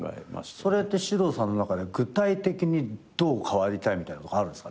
それって獅童さんの中で具体的にどう変わりたいみたいなあるんですか？